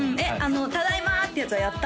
「ただいま！」ってやつはやった？